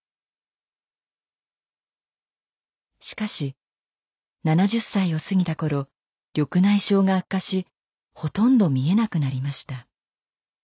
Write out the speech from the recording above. しかし７０歳を過ぎた頃緑内障が悪化しほとんど見えなくなりました。